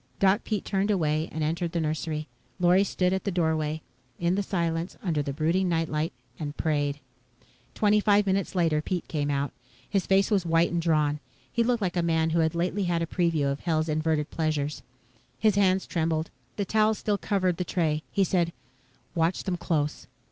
Doc Pete turned away and entered the nursery. Lorry stood at the doorway, in the silence, under the brooding night light, and prayed. Twenty five minutes later, Pete came out. His face was white and drawn. He looked like a man who had lately had a preview of Hell's inverted pleasures. His hands trembled. The towel still covered the tray. He said, "Watch them close.